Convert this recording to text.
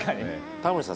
タモリさん